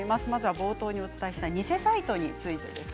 冒頭にお伝えした偽サイトについてです。